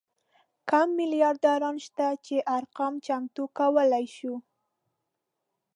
کم میلیاردران شته چې ارقام چمتو کولی شو.